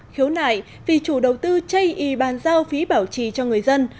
khiếu nại vì chủ đầu tư chay y bàn giao phí bảo trì cho người dân